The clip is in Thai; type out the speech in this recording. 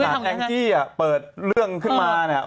สตาร์ทแองกี้อ่ะเปิดเรื่องขึ้นมาเนี่ย